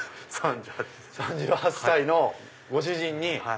３８歳のご主人に。